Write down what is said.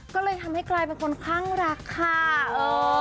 ก็เลยทำให้กลายเป็นคนค่อนข้างรักค่ะเออ